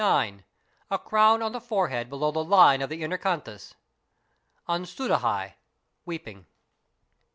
A crown on the forehead below the line of the inner canthus, (ansoodhai=— weeping).